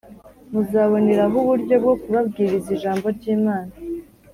Muzaboneraho uburyo bwo kubabwiriza ijambo ryimana